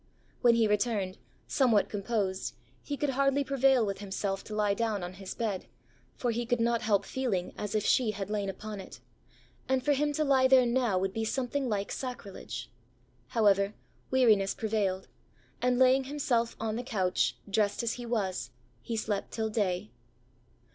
When he returned, somewhat composed, he could hardly prevail with himself to lie down on his bed; for he could not help feeling as if she had lain upon it; and for him to lie there now would be something like sacrilege. However, weariness prevailed; and laying himself on the couch, dressed as he was, he slept till day.